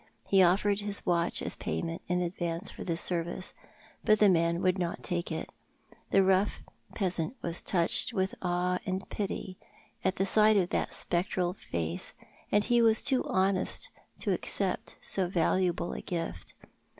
He offered his watch as payment in advance for this service, but the man would not take it. The rough peasant was touched with awo and pity at sight of that spectral face, and was too honest to accept so valuable a gift.